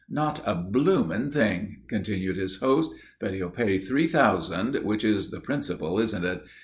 "Not a blooming thing," continued his host. "But he'll pay three thousand, which is the principal, isn't it?